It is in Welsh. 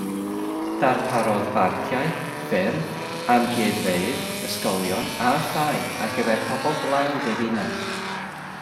Darparodd barciau, ffyrdd, amgueddfeydd, ysgolion a thai ar gyfer pobl dlawd y ddinas.